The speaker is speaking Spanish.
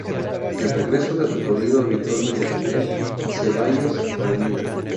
De regreso de recorrido habitual por E. Zeballos; av.